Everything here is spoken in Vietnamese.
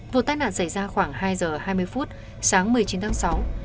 vụ tai nạn xảy ra khoảng hai giờ hai mươi phút sáng một mươi chín tháng sáu